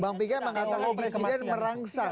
bang piga mengatakan presiden merangsang